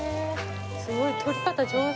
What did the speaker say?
すごい取り方上手。